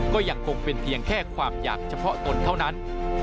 ก็ยังคงเป็นเพียงแค่ความอยากเฉพาะตนเท่านั้น